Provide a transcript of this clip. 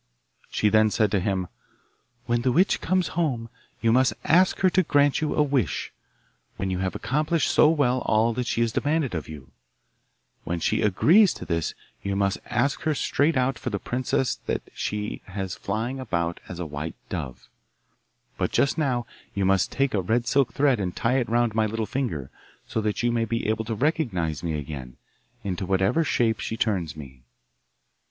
She then said to him, 'When the witch comes home you must ask her to grant you a wish, when you have accomplished so well all that she has demanded of you. When she agrees to this you must ask her straight out for the princess that she has flying about as a white dove. But just now you must take a red silk thread and tie it round my little finger, so that you may be able to recognise me again, into whatever shape she turns me.